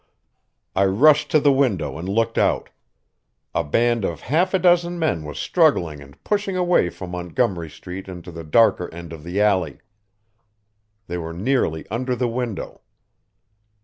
I rushed to the window and looked out. A band of half a dozen men was struggling and pushing away from Montgomery Street into the darker end of the alley. They were nearly under the window.